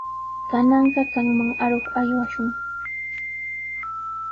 Kananqa qamman aruq aywashun.